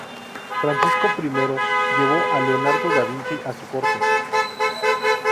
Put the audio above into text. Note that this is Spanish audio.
Francisco I llevó a Leonardo da Vinci a su corte.